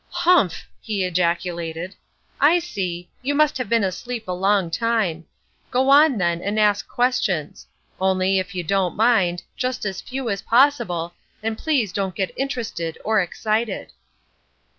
"Humph!" he ejaculated. "I see, you must have been asleep a long time. Go on then and ask questions. Only, if you don't mind, just as few as possible, and please don't get interested or excited."